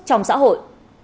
trong xã hội